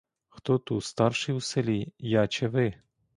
Хто ту старший у селі, я чи ви?